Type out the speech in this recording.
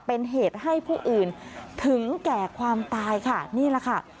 เป็นเหตุให้ผู้อื่นถึงแก่ความตายค่ะนี่แหละค่ะ